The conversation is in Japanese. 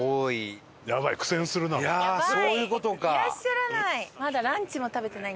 いらっしゃらない！